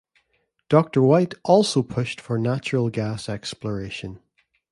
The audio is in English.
Doctor White also pushed for natural gas exploration.